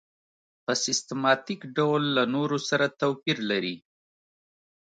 په سیستماتیک ډول له نورو سره توپیر لري.